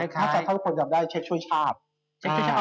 ถ้าทุกคนจำได้เช็คช่วยชาติ